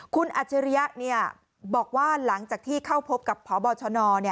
คุณอัจฉริยะบอกว่าหลังจากที่เข้าพบกับพบชน